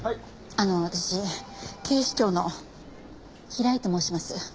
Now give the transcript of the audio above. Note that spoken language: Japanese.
あの私警視庁の平井と申します。